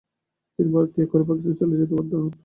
তিনি ভারত ত্যাগ করে পাকিস্তান চলে যেতে বাধ্য হন।